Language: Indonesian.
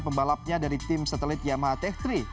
pembalapnya dari tim satelit yamaha tech tiga